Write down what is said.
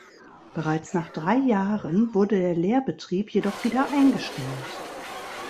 Bereits nach drei Jahren wurde der Lehrbetrieb jedoch wieder eingestellt.